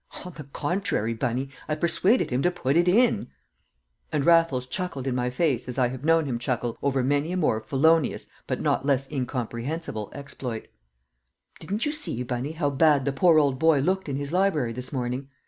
"On the contrary, Bunny, I persuaded him to put it in!" And Raffles chuckled in my face as I have known him chuckle over many a more felonious but less incomprehensible exploit. "Didn't you see, Bunny, how bad the poor old boy looked in his library this morning?